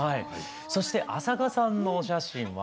そして朝花さんのお写真は？